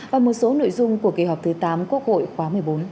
và một số nội dung của kỳ họp thứ tám quốc hội khóa một mươi bốn